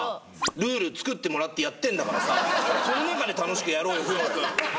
ルール作ってもらってやってんだからさその中で楽しくやろうよ風磨君。